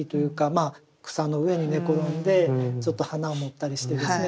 まあ草の上に寝転んでちょっと花を持ったりしてですね